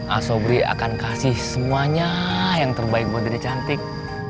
asobri akan kasih semuanya yang terbaik buat diri cantik